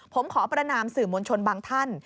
ผมขอประนามสื่อมวลชนบางท่าน